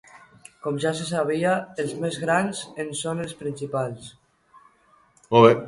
Com ja se sabia, els més grans en són els principals.